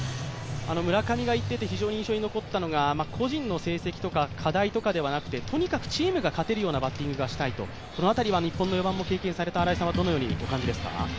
村上が言ってて非常に印象に残ったのが個人の成績とか課題とかではなくて、とにかくチームが勝てるようなバッティングをしたいとこの辺りは日本の４番も経験された新井さんはどのようにお感じですか？